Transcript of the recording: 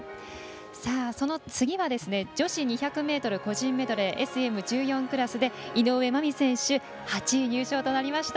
その次は、女子２００ｍ個人メドレーＳＭ１４クラスで井上舞美選手８位入賞となりました。